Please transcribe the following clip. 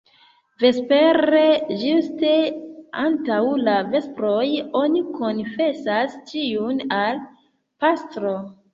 Vespere, ĝuste antaŭ la vesproj, oni konfesas ĉion al pastro.